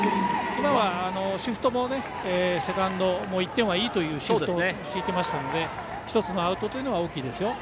今は、セカンドも１点はいいというシフトを敷いていましたので１つのアウトというのは大きいですね。